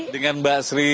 dengan mbak sri